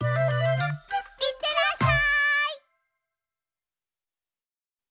いってらっしゃい！